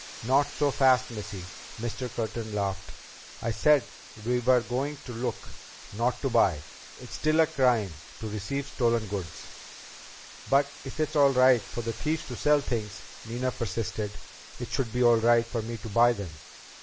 "Not so fast, Missy!" Mr. Curtin laughed. "I said we were going to look, not to buy. It's still a crime to receive stolen goods." "But if it's all right for the thieves to sell things," Nina persisted, "it should be all right for me to buy them."